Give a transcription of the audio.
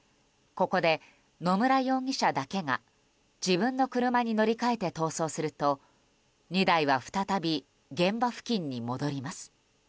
ここで、野村容疑者だけが自分の車に乗り換えて逃走すると２台は再び現場付近に戻ります。